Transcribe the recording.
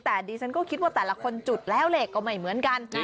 แต่ดิฉันก็คิดว่าแต่ละคนจุดแล้วเลขก็ไม่เหมือนกัน